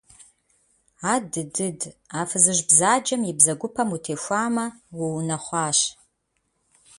Адыдыд, а фызыжь бзаджэм и бзэгупэм утехуамэ, уунэхъуащ.